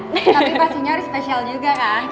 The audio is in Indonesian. tapi pastinya harus spesial juga kan